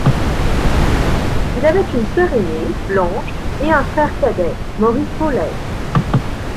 Il avait une sœur aînée, Blanche, et un frère cadet, Maurice Rowley.